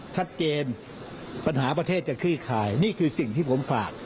ชัดเจนปัญหาประเทศจะคลี่คลายนี่คือสิ่งที่ผมฝาก